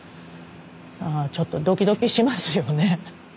ああちょっとドキドキしますよね。